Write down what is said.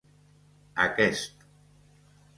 Aquest